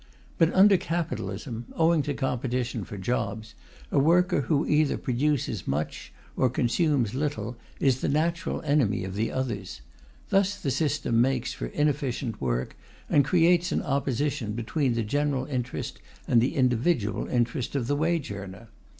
But under capitalism, owing to competition for jobs, a worker who either produces much or consumes little is the natural enemy of the others; thus the system makes for inefficient work, and creates an opposition between the general interest and the individual interest of the wage earner.